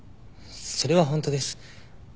それは本当です。